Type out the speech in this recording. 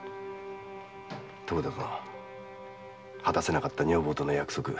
果たせなかった女房との約束